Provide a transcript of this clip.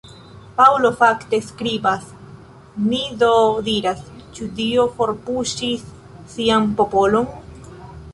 Paŭlo, fakte, skribas: “Mi do diras: Ĉu Dio forpuŝis Sian popolon?